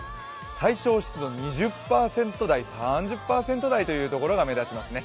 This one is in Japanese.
最小湿度２０％台、３０％台というところが目立ちますね。